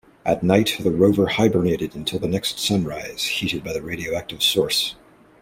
At night the rover hibernated until the next sunrise, heated by the radioactive source.